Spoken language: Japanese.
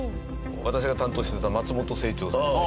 私が担当してた松本清張先生。